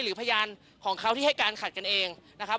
พยานของเขาที่ให้การขัดกันเองนะครับ